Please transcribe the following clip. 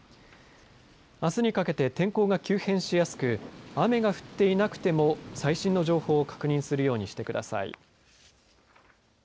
あすにかけて天候が急変しやすく雨が降っていなくても最新の情報を確認するようにしてください。